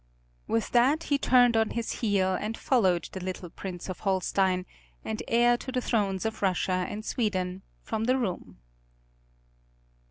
With that he turned on his heel and followed the little Prince of Holstein, and heir to the thrones of Russia and Sweden, from the room.